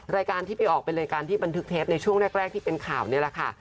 รายการที่ไปออกเป็นรายการที่บันทึกเทปในช่วงแรกที่เป็นข่าวนี่แหละค่ะ